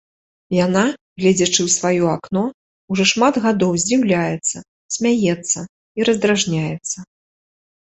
Яна, гледзячы ў сваё акно, ужо шмат гадоў здзіўляецца, смяецца і раздражняецца.